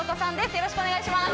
よろしくお願いします。